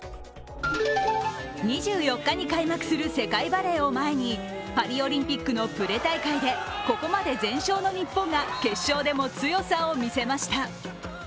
２４日に開幕する世界バレーを前にパリオリンピックのプレ大会でここまで全勝の日本が決勝でも強さを見せました。